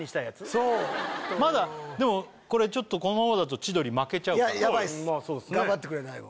そうまだでもこれちょっとこのままだと千鳥負けちゃうからヤバいっす頑張ってくれ大悟